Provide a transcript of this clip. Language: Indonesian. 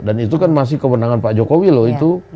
dan itu kan masih kewenangan pak jokowi loh itu